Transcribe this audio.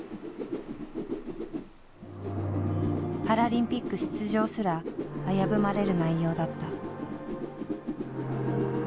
パラリンピック出場すら危ぶまれる内容だった。